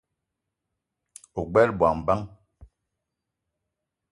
Ogbela bongo bang ?